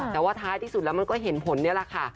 แต่ว่าท้ายที่สุดแล้วมันก็เห็นผลนี่แหละค่ะ